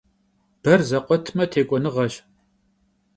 Ber zekhuetme — têk'uenığeş.